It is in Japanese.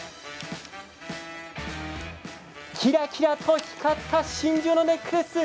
キラキラと光った真珠のネックレス。